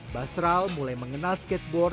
basral mulai mengenal skateboard